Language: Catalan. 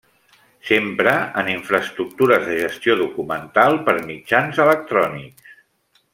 S'empra en infraestructures de gestió documental per mitjans electrònics.